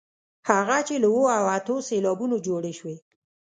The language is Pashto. هغه چې له اوو او اتو سېلابونو جوړې شوې.